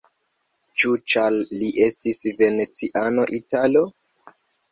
Ĉu ĉar li estis veneciano, italo?